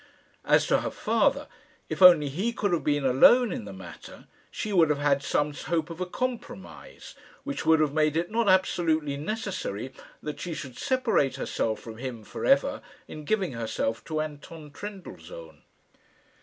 As to her father, if only he could have been alone in the matter, she would have had some hope of a compromise which would have made it not absolutely necessary that she should separate herself from him for ever in giving herself to Anton Trendellsohn.